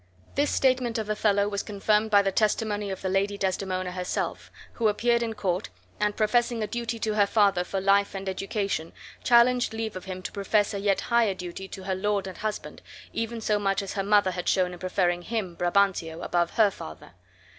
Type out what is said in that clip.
This statement of Othello was confirmed by the testimony of the Lady Desdemona herself, who appeared in court and, professing a duty to her father for life and education, challenged leave of him to profess a yet higher duty to her lord and husband, even so much as her mother had shown in preferring him (Brabantio) above HER father.